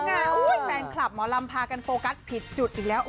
แฟนคลับหมอลำพากันโฟกัสผิดจุดอีกแล้ว